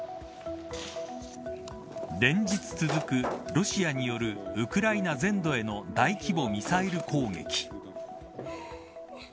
連日続くロシアによるウクライナ全土への大規模ミサイル攻撃。